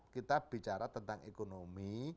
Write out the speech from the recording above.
kita bicara tentang ekonomi